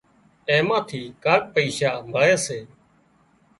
اين مان ٿي ڪانڪ پئيشا مۯي سي